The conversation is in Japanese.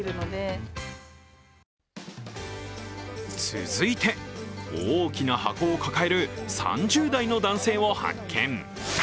続いて、大きな箱を抱える３０代の男性を発見。